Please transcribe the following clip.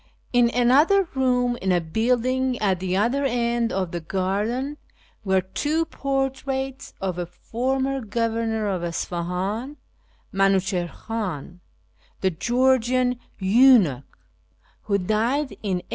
In another room in a building at the other end of the garden were two portraits of a former governor of Isfahan, Minuchihr Khan, the Georgian eunuch, who died in a.